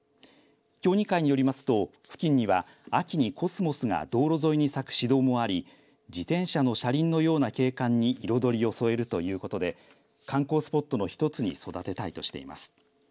協議会よりますと付近には秋にコスモスが道路沿いに咲く市道もあり自転車の車輪のような景観に彩りを添えるということで観光スポットの１つに育てたいとしています。